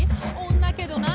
女けど何？